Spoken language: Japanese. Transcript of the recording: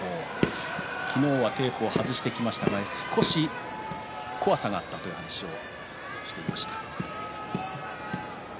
昨日はテープを外しましたが少し怖さがあったという話をしていました。